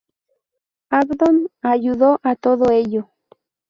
Abdón ayudó a todo ello.